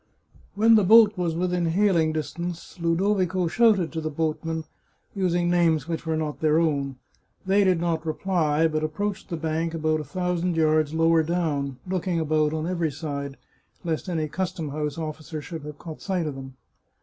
When the boat was within hailing distance, Ludovico shouted to the boatmen, using names which were not their own. They did not reply, but approached the bank about a thousand yards lower down, looking about on every side, lest any custom house officer should have caught sight of them.